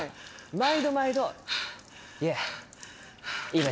毎度毎度。